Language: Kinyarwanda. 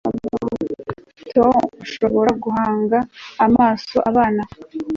Tom ushobora guhanga amaso abana